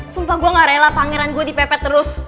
sumpah gue gak rela pangeran gue dipepet terus